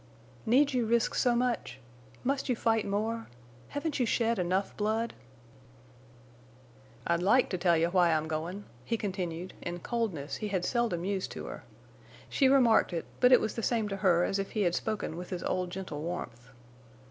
"Need you risk so much? Must you fight more? Haven't you shed enough blood?" "I'd like to tell you why I'm goin'," he continued, in coldness he had seldom used to her. She remarked it, but it was the same to her as if he had spoken with his old gentle warmth.